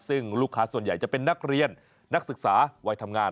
ซึ่งลูกค้าส่วนใหญ่จะเป็นนักเรียนนักศึกษาวัยทำงาน